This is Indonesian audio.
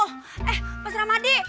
eh mas rahmadi